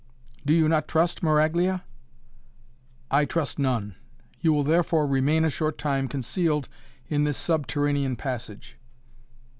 "Do you not trust Maraglia?" "I trust none! You will therefore remain a short time concealed in this subterranean passage."